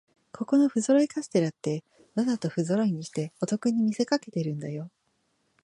ここのふぞろいカステラって、わざとふぞろいにしてお得に見せかけてるんだよ